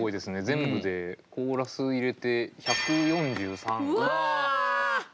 全部でコーラス入れて１４３使ってますね。